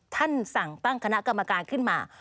ท่านสั่งตั้งคณะกรรมการขึ้นมา